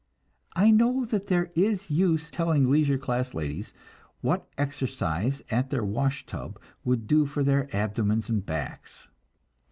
I know that there is use telling leisure class ladies what exercise at the wash tub would do for their abdomens and backs.